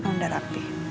eh kamu udah rapi